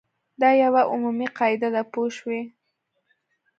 دا یوه عمومي قاعده ده پوه شوې!.